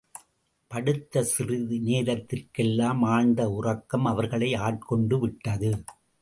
படுத்த சிறிது நேரத்திற்கெல்லாம் ஆழ்ந்த உறக்கம் அவர்களை ஆட்கொண்டு விட்டது.